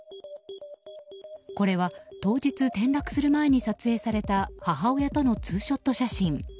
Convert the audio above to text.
これは、当日転落する前に撮影された母親とのツーショット写真。